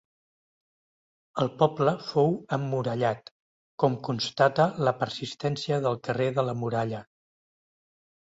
El poble fou emmurallat, com constata la persistència del carrer de la Muralla.